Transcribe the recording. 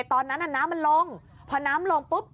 ตอนนั้นน้ำมันลงพอน้ำลงปุ๊บ